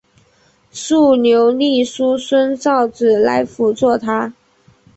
竖牛立叔孙昭子来辅佐他。